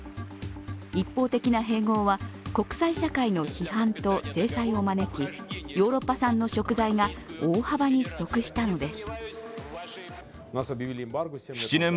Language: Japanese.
一方的な併合は国際社会の批判と制裁を招きヨーロッパ産の食材が大幅に不足したのです。